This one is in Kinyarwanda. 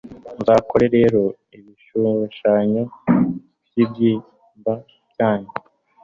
muzakore rero ibishushanyo by'ibibyimba byanyu